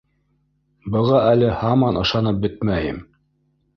Быға әле һаман ышанып бөтмәйем.